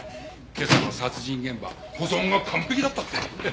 今朝の殺人現場保存が完璧だったって。